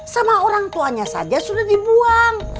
sama orang tuanya saja sudah dibuang